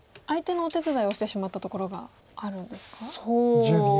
相手のお手伝いをしてしまったところがあるんですか？